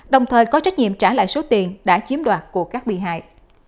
đồng thời có trách nhiệm trả lại số tiền đã chiếm đoạt của các bị hại